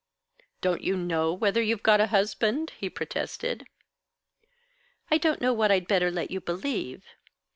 "Don't you know whether you've got a husband?" he protested. "I don't know what I'd better let you believe.